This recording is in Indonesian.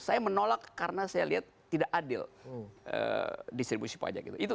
saya menolak karena saya lihat tidak adil distribusi pajak itu